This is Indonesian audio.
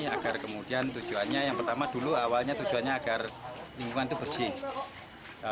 agar kemudian tujuannya yang pertama dulu awalnya tujuannya agar lingkungan itu bersih